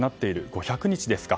５００日ですか。